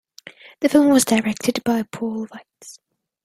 The film was directed by Paul Weitz.